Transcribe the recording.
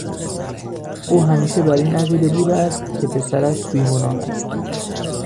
او همیشه بر این عقیده بوده است که پسرش بیگناه است.